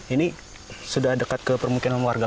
ini sudah dekat ke permukiman warga